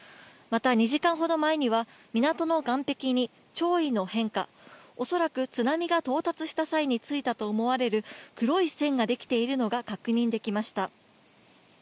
また２時間ほど前には港の岸壁に潮位の変化、恐らく津波が到達した際についたと思われる黒い線ができているのが確認されました。